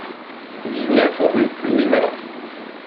dix-neuf rue Louis Mallard